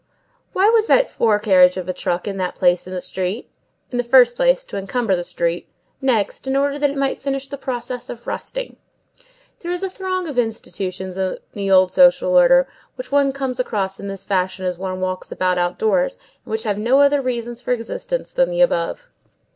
Why was that fore carriage of a truck in that place in the street? In the first place, to encumber the street; next, in order that it might finish the process of rusting. There is a throng of institutions in the old social order, which one comes across in this fashion as one walks about outdoors, and which have no other reasons for existence than the above.